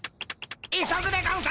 急ぐでゴンス！